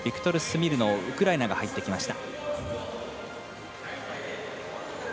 ・スミルノウウクライナが入ってきました。